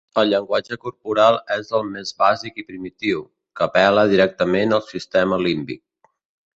El llenguatge corporal és el més bàsic i primitiu, que apel·la directament al sistema límbic.